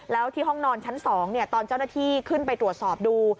แล้วที่ห้องนอนชั้น๒ตอนเจ้าหน้าที่ขึ้นไปตรวจสอบดู